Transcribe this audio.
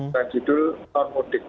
dan judul tahun mudik